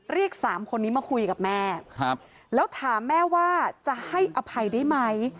เรียกสามคนนี้มาคุยกับแม่ครับแล้วถามแม่ว่าจะให้อภัยได้ไหม